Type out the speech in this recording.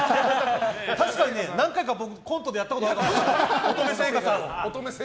確かに、何回か僕コントでやったことあります。